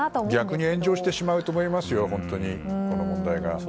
逆に炎上してしまうと思いますよ、この問題が。